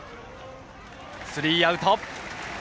スリーアウト。